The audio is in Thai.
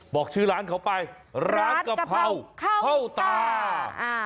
บอกชื่อร้านเขาไปร้านกะเพราเข้าตาอ่า